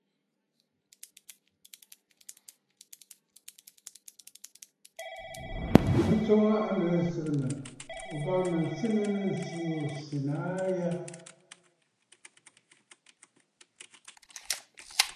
Bɨ swoŋə aa annu yî sɨgɨ̀ǹə̀ ò bâŋnə̀ senə nɨ̂ ǹsî sènə̀ aa a ya?